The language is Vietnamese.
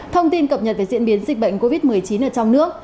thông tin cập nhật về diễn biến dịch bệnh covid một mươi chín ở trong nước